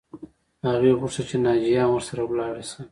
هغې غوښتل چې ناجیه هم ورسره لاړه شي